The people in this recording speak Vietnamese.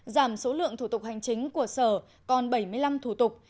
giảm số lượng thủ tục hành chính của sở còn bảy mươi năm thủ tục